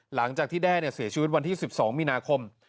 หลังจากที่แด้เสียชีวิตวันที่๑๒มีนาคม